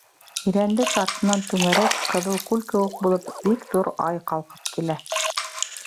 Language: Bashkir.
Ирәндек артынан түңәрәк, ҡыҙыл күл кеүек булып, бик ҙур ай ҡалҡып килә.